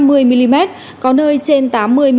có nơi trên tám mươi mm